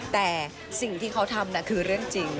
แต่สิ่งที่เขาทำคือเรื่องจริง